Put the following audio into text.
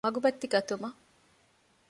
މަގުބައްތި ގަތުމަށް